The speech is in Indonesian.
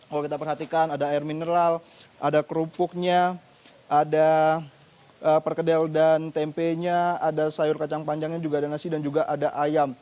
kalau kita perhatikan ada air mineral ada kerupuknya ada perkedel dan tempenya ada sayur kacang panjangnya juga ada nasi dan juga ada ayam